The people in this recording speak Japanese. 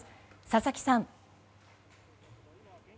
佐々木さん。